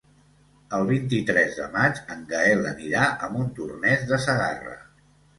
El vint-i-tres de maig en Gaël anirà a Montornès de Segarra.